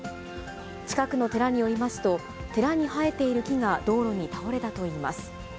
近くの寺によりますと、寺に生えている木が道路に倒れたといいます。